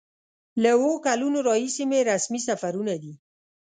له اوو کلونو راهیسې مې رسمي سفرونه دي.